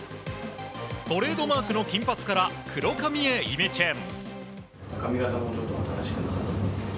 トレードマークの金髪から黒髪へイメチェン。